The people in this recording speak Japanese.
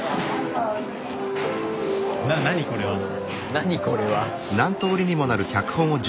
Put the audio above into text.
何これは？